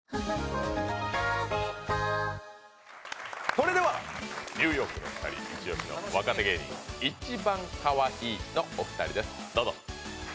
それではニューヨークのお二人、一押しの若手芸人いちばんかわいいのお二人ですどうぞ。